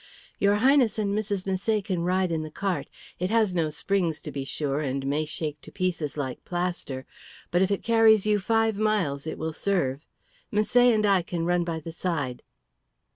"Your Highness and Mrs. Misset can ride in the cart. It has no springs, to be sure, and may shake to pieces like plaster. But if it carries you five miles, it will serve. Misset and I can run by the side."